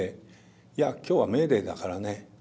「いや今日はメーデーだからね。